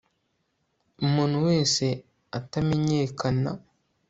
Umuntu wese atamenyekana